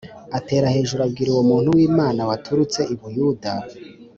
Atera hejuru abwira uwo muntu w’Imana waturutse i Buyuda